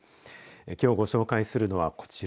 きょうご紹介するのはこちら。